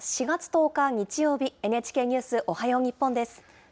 ４月１０日日曜日、ＮＨＫニュースおはよう日本です。